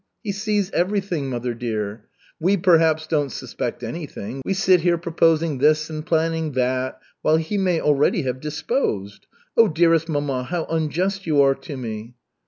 He sees everything, mother dear. We perhaps don't suspect anything, we sit here proposing this and planning that, while He may already have disposed. Oh, dearest mamma, how unjust you are to me."